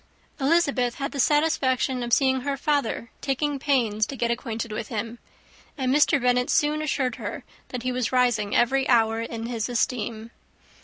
Elizabeth had the satisfaction of seeing her father taking pains to get acquainted with him; and Mr. Bennet soon assured her that he was rising every hour in his esteem.